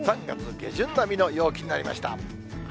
３月下旬並みの陽気になりました。